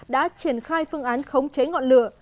đã triển khai phương án khống cháy ngọn lửa